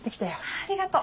ありがとう。